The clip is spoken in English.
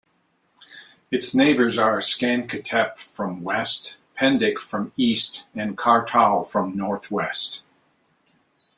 Its neighbours are Sancaktepe from west, Pendik from east and Kartal from northwest.